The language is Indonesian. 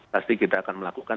pasti kita akan melakukan